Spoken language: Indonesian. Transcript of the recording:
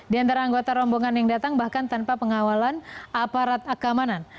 di antara anggota rombongan yang datang bahkan tanpa pengawalan aparat keamanan